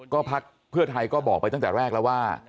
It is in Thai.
ก็พักเพื่อไทยก็บอกไปตั้งแต่แรกแล้วว่า